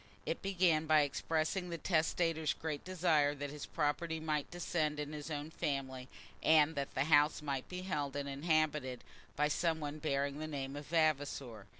It began by expressing the testator's great desire that his property might descend in his own family, and that the house might be held and inhabited by some one bearing the name of Vavasor.